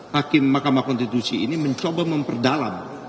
hakim mahkamah konstitusi ini mencoba memperdalam